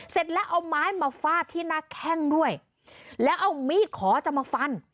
เสร็จแล้วเอาไม้มาฟาดที่หน้าแข้งด้วยแล้วเอามีดขอจะมาฟัน